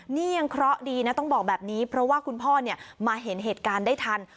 นี่ยังเคราะห์ดีนะต้องบอกแบบนี้เพราะว่าคุณพ่อมาเห็นเหตุการณ์ได้ทัน